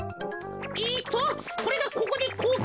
えっとこれがここでこう。